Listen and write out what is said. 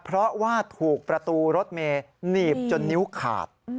เพราะว่าถูกประตูรถเมย์หนีบจนนิ้วขาด